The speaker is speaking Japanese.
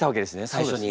最初に。